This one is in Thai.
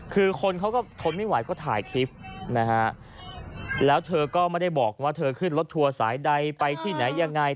คือคนเขาก็ทนไม่ไหวก็ถ่ายคลิปนะฮะแล้วเธอก็ไม่ได้บอกว่าเธอขึ้นรถทัวร์สายใดไปที่ไหนยังไง